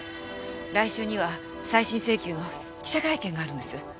来週には再審請求の記者会見があるんです。